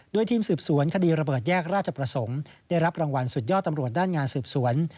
โดยทีมสืบสวนคดีระเบิดแยกราชประสงค์ได้รับรางวัลสุดยอดตำรวจด้านงานสืบสวน